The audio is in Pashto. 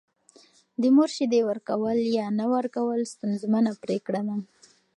د مور شیدې ورکول یا نه ورکول ستونزمنه پرېکړه ده.